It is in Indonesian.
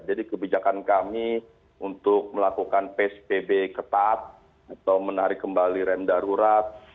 jadi kebijakan kami untuk melakukan pspb ketat atau menarik kembali rem darurat